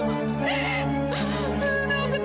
lu kenapa disini